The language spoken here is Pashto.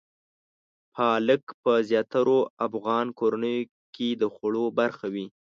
پالک په زیاترو افغان کورنیو کې د خوړو برخه وي.